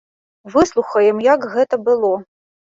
Выслухаем, як гэта было.